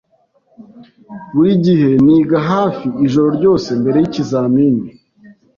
Buri gihe niga hafi ijoro ryose mbere yikizamini.